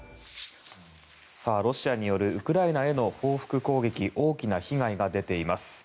ロシアによるウクライナへの報復攻撃大きな被害が出ています。